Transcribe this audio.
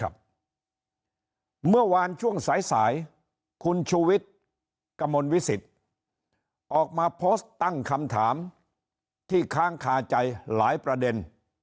และสายคุณชุวิตกมลวิสิตออกมาโพสต์ตั้งคำถามที่ค้างคาใจหลายประเด็น